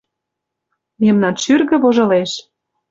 Мемнан шӱргӧ вожылеш.